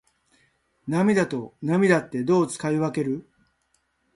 涙と泪ってどう使い分ける？